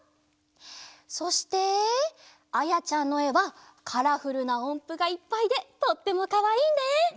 そしてあやちゃんのえはカラフルなおんぷがいっぱいでとってもかわいいね。